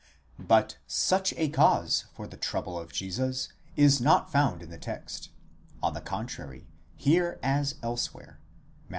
® But such a cause for the trouble of Jesus is not found in the text ; on the contrary, here as elsewhere (Matt.